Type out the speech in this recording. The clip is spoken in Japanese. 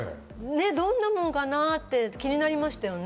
どんなもんかなって気になりましたよね。